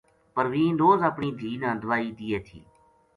پروین روز اپنی دھی نا دوائی دیے تھی